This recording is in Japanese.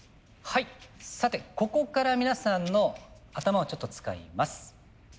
はいさてここから皆さんの頭をちょっと使います。